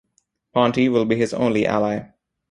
Ponti will be his only ally.